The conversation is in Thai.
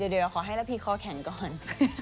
เดี๋ยวขอให้ระพีคอแข็งก่อน